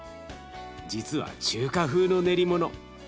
実は中華風の練りもの。